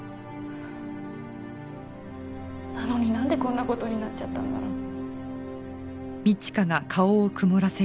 なのになんでこんな事になっちゃったんだろう。